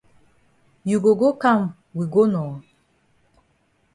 You go go kam we go nor.